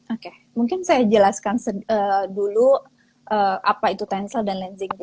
oke mungkin saya jelaskan dulu apa itu tensel dan lansingnya